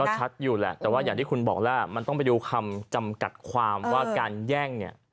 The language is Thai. ชัดอยู่แหละแต่ว่าอย่างที่คุณบอกแล้วมันต้องไปดูคำจำกัดความว่าการแย่งเนี่ย